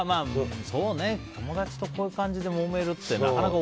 友達とこういう感じでもめるってなかなか。